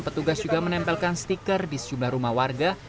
petugas juga menempelkan stiker di sejumlah rumah warga